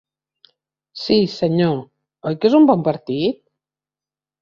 Sí, senyor. Oi que és un bon partit?